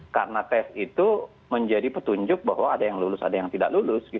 karena tes itu menjadi petunjuk bahwa ada yang lulus ada yang tidak lulus